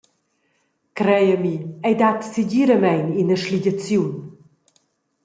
Crei a mi, ei dat segiramein ina sligiaziun.